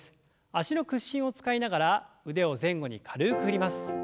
脚の屈伸を使いながら腕を前後に軽く振ります。